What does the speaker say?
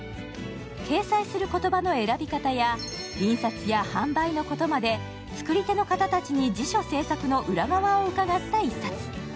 掲載する言葉の選び方や印刷や販売のことまで作り手の方たちに辞書制作の裏側を伺った一冊。